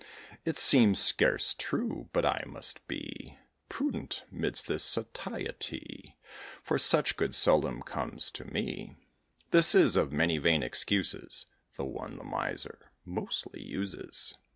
It seems scarce true! But I must be Prudent midst this satiety, For such good seldom comes to me." (This is, of many vain excuses, The one the miser mostly uses.)